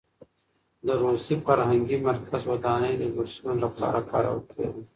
د روسي فرهنګي مرکز ودانۍ د بورسونو لپاره کارول کېده.